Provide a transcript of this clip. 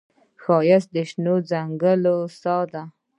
ښایست د شنه ځنګل ساه ده